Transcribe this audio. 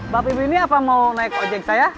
bapak ibu ini apa mau naik ojek saya